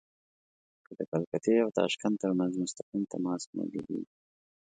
که د کلکتې او تاشکند ترمنځ مستقیم تماس موجود وي.